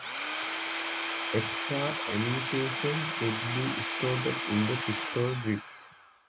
Extra ammunition could be stored in the pistol grip.